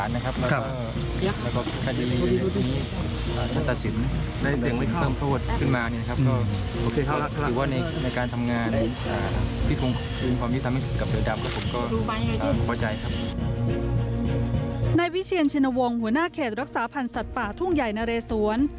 ในวิเศียรเชียรชินวงหัวหน้าเขตรรักษาพันธ์สัตว์ป่าทุ่งใหญ่นเรศวร